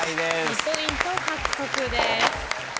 ２ポイント獲得です。